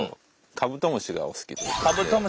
カブトムシがお好き。